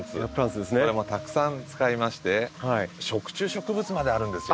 これもたくさん使いまして食虫植物まであるんですよ。